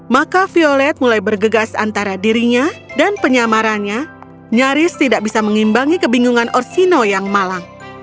maka violet mulai bergegas antara dirinya dan penyamarannya nyaris tidak bisa mengimbangi kebingungan orsino yang malang